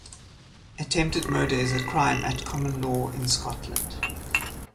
Attempted murder is a crime at common law in Scotland.